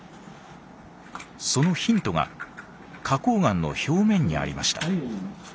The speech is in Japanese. そのヒントが花崗岩の表面にありました。